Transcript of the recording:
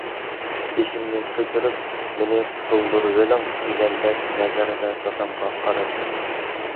بېشىمنى كۆتۈرۈپ «مېنى قۇتۇلدۇرۇۋېلىڭ» دېگەندەك نەزەردە دادامغا قارىدىم.